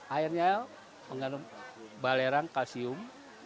airnya mengandung balerang kalsium